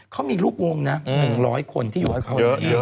เขามีลูกวงนะ๑๐๐คนที่อยู่กับเขาเยอะ